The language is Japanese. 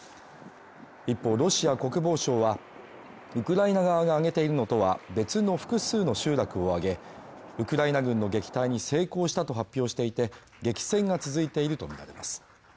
一方ロシア国防省はウクライナ側が挙げているのとは別の複数の集落を挙げ、ウクライナ軍の撃退に成功したと発表していて、激戦が続いているとみられます。